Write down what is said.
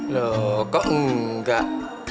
loh kok enggak